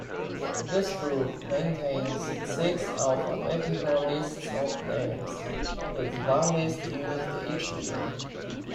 This group maintains six alphabetical lists of names, with one list used each year.